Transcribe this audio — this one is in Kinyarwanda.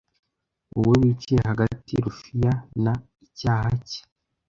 Wowe wicaye hagati ruffian na icyaha cye